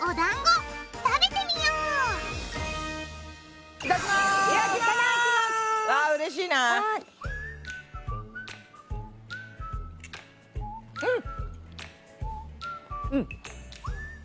うん！